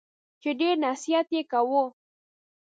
چي ډېر نصیحت یې کاوه !